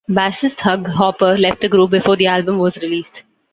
Bassist Hugh Hopper left the group before the album was released.